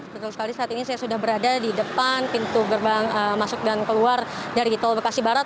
betul sekali saat ini saya sudah berada di depan pintu gerbang masuk dan keluar dari tol bekasi barat